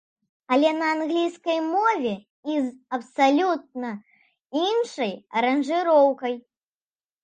Але на англійскай мове і з абсалютна іншай аранжыроўкай!